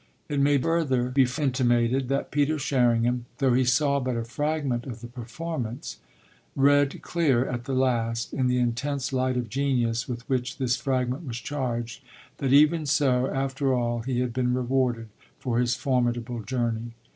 It may further be intimated that Peter Sherringham, though he saw but a fragment of the performance, read clear, at the last, in the intense light of genius with which this fragment was charged, that even so after all he had been rewarded for his formidable journey.